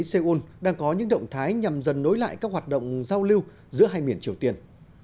seoul đang có những động thái nhằm dần nối lại các hoạt động giao lưu giữa hai miền triều tiên